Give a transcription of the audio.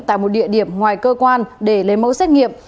tại một địa điểm ngoài cơ quan để lấy mẫu xét nghiệm